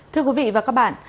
thưa quý vị và các bạn